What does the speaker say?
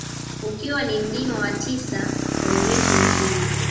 Ukiwa ni mlima wa tisa kwa urefu nchini